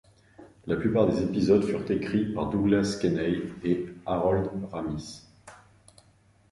La plupart des épisodes furent écrits par Douglas Kenney, et Harold Ramis.